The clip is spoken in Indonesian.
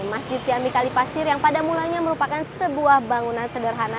masjid jami kalipasir yang pada mulanya merupakan sebuah bangunan sederhana